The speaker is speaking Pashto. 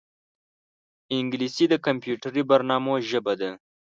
انګلیسي د کمپیوټري برنامو ژبه ده